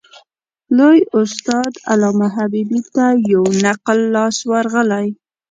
لوی استاد علامه حبیبي ته یو نقل لاس ورغلی.